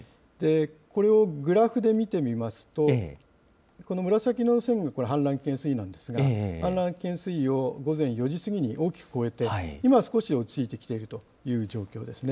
これをグラフで見てみますと、この紫の線が氾濫危険水位なんですが、氾濫危険水位を午前４時過ぎに大きく超えて、今少し落ち着いてきているという状況ですね。